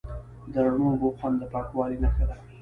د رڼو اوبو خوند د پاکوالي نښه ده.